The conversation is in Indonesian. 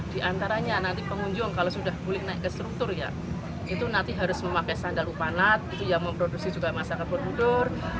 di antaranya nanti pengunjung kalau sudah boleh naik ke struktur ya itu nanti harus memakai sandal upanat itu ya memproduksi juga masyarakat borobudur